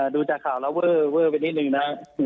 ดูจากข่าวแล้วเวอร์ไปนิดนึงนะครับ